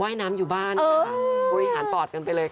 ยน้ำอยู่บ้านค่ะบริหารปอดกันไปเลยค่ะ